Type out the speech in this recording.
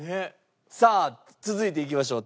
さあ続いていきましょう。